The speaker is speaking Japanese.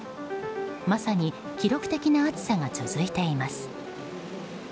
まさに記録的な暑さが続いています。